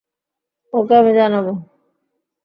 ওকে, আমি জানাবো।